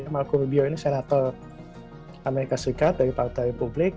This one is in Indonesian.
marco rubio adalah senator amerika serikat dari partai republik